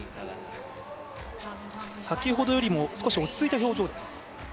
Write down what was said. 先ほどよりも少し落ち着いた表情です。